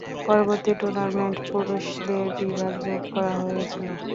পরবর্তী টুর্নামেন্ট পুরুষদের বিভাগ যোগ করা হয়েছিল।